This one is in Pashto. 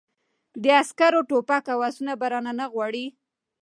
د عسکرو ټوپک او آسونه به نه رانه غواړې!